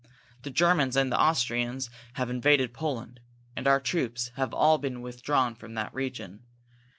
The Germans and the Austrians have invaded Poland, and our troops have all been withdrawn from that region.